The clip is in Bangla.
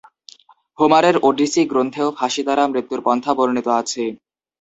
হোমারের ওডিসি গ্রন্থেও ফাঁসি দ্বারা মৃত্যুর পন্থা বর্ণিত আছে।